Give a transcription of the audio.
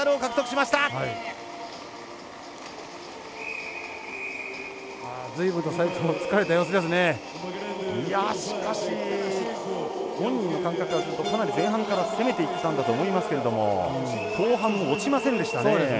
しかし本人の感覚からすると、かなり前半から攻めていったんだと思いますけれども後半も落ちませんでしたね。